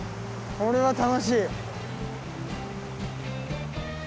これは楽しい！